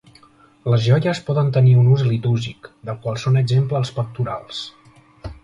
Les joies poden tenir un ús litúrgic, del qual són exemple els pectorals.